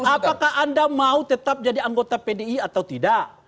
apakah anda mau tetap jadi anggota pdi atau tidak